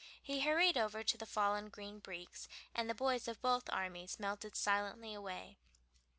He hurried over to the fallen Green Breeks, and the boys of both armies melted silently away.